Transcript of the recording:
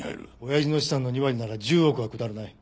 親父の資産の２割なら１０億は下らない。